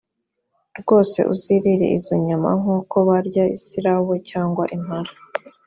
rwose uzirire izo nyama nk’uko barya isirabo cyangwa impara!